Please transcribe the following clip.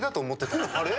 あれ？